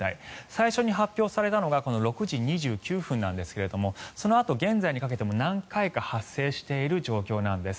最初に発表されたのが６時２９分なんですがそのあと、現在にかけても何回か発生している状況なんです。